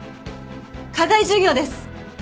課外授業です。